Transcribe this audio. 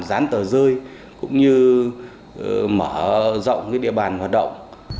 dán tờ rơi cũng như mở rộng cái địa bàn hoạt động